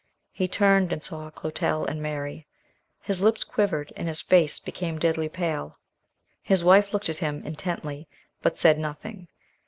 He turned and saw Clotel and Mary. His lips quivered, and his face became deadly pale. His young wife looked at him intently, but said nothing.